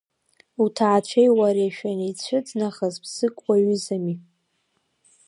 Уҭаацәеи уареи шәанеицәыӡ нахыс ԥсык уиҩызами!